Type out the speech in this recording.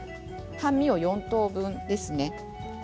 半身を４等分ですね。